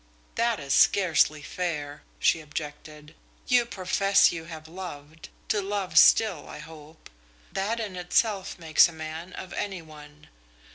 "That is scarcely fair," she objected. "You profess to have loved to love still, I hope. That in itself makes a man of any one.